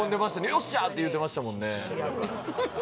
よっしゃーって言うてましたもんね